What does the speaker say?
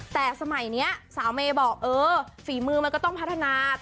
แต่สมัยนี้สาวเมย์บอกเออฝีมือมันก็ต้องพัฒนา